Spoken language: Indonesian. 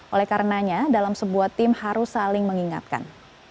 oleh karenanya dalam sebuah tim harus saling mengingatkan